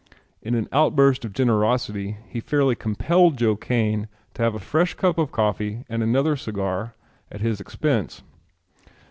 In an outburst of generosity he fairly compelled Joe Kane to have a fresh cup of coffee and another cigar at his expense.